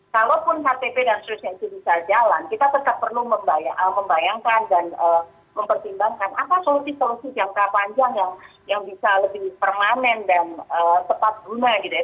kalaupun ktp dan seterusnya itu bisa jalan kita tetap perlu membayangkan dan mempertimbangkan apa solusi solusi jangka panjang yang bisa lebih permanen dan tepat guna gitu ya